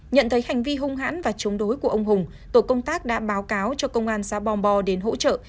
nhận thấy hành vi hung hãn và chống đối của ông hùng tổ công tác đã báo cáo cho công an xã bòm bo đến hỗ trợ